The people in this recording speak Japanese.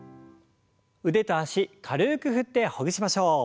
腕と脚軽く振ってほぐしましょう。